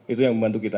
itu yang membantu kita